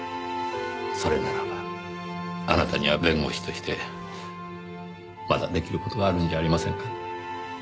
それならばあなたには弁護士としてまだ出来る事があるんじゃありませんか？